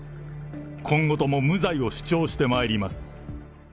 今後とも無罪を主張してまいります。